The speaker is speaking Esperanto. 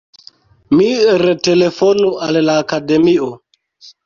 Mi retelefonu al la Akademio.